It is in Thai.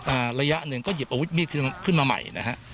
ระยะหนึ่งก็หยิบอาวุธมีดขึ้นมาใหม่นะฮะ